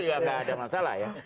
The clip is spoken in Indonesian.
tidak ada masalah ya